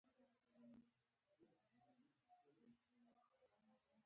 عسکر غوسه شول او زه یې د ټوپک په کونداغ ووهلم